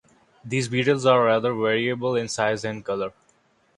These beetles are rather variable in size and colour.